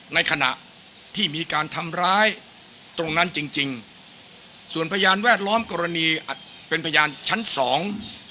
ในขณะที่มีการทำร้ายตรงนั้นจริงจริงส่วนพยานแวดล้อมกรณีอัดเป็นพยานชั้นสอง